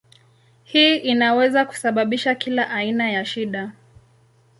Hii inaweza kusababisha kila aina ya shida.